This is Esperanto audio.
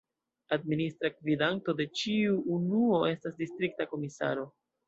Administra gvidanto de ĉiu unuo estas distrikta komisaro.